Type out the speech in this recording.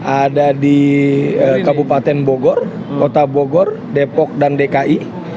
ada di kabupaten bogor kota bogor depok dan dki